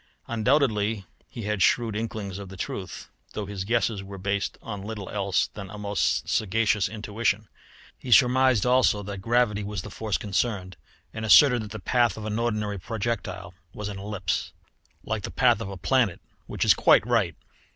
Undoubtedly he had shrewd inklings of the truth, though his guesses were based on little else than a most sagacious intuition. He surmised also that gravity was the force concerned, and asserted that the path of an ordinary projectile was an ellipse, like the path of a planet which is quite right.